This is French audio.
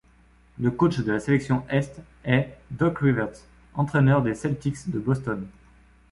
Le coach de la sélection Est est Doc Rivers, entraîneur des Celtics de Boston.